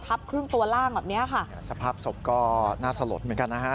ครึ่งตัวล่างแบบเนี้ยค่ะสภาพศพก็น่าสลดเหมือนกันนะฮะ